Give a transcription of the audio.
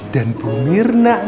dan bu mirna